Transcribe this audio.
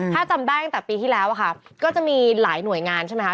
ถ้าจำได้ตั้งแต่ปีที่แล้วค่ะก็จะมีหลายหน่วยงานใช่ไหมคะ